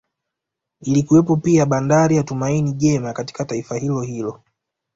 Ilikuwepo pia Bandari ya Tumaini Jema katika taifa hilo hilo